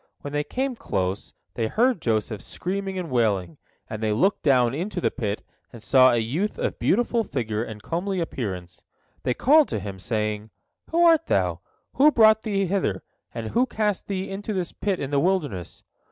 When they came close, they heard Joseph screaming and wailing, and they looked down into the pit and saw a youth of beautiful figure and comely appearance. They called to him, saying: "Who art thou? Who brought thee hither, and who cast thee into this pit in the wilderness?"